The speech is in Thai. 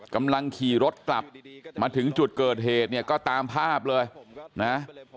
กำลังขี่รถกลับมาถึงจุดเกิดเหตุเนี่ยก็ตามภาพเลยนะ